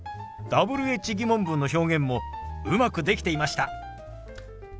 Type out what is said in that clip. Ｗｈ−疑問文の表現もうまくできていました。